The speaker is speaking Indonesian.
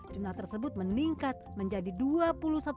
jumlah tersebut meningkat menjadi dua persen